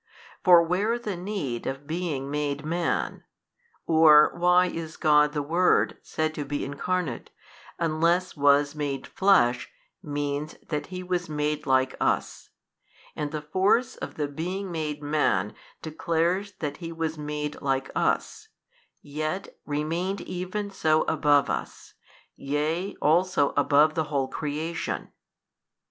For where the need of being made man? or why is God the Word said to be Incarnate, unless was made flesh means that He was made like us, and the force of the being made man declares that He was made like us, yet remained even so above us, yea also above the whole creation?